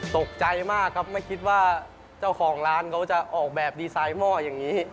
ตกใจมากครับไม่คิดว่าเจ้าของร้านเขาจะออกแบบดีไซน์หม้ออย่างนี้